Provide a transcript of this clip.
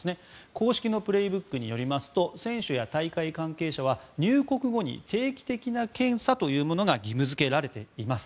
公式の「プレーブック」によりますと選手や大会関係者は入国後に定期的な検査というものが義務付けられています。